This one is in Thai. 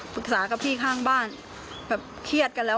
ฝึกศาสตร์กับพี่ข้างบ้านแบบเครียดกันแล้วอ่ะ